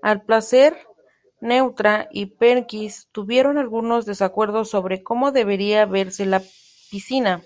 Al parecer, Neutra y Perkins tuvieron algunos desacuerdos sobre cómo debería verse la piscina.